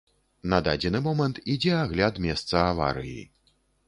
На дадзены момант ідзе агляд месца аварыі.